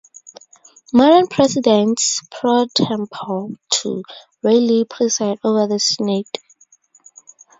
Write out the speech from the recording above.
Modern presidents pro tempore, too, rarely preside over the Senate.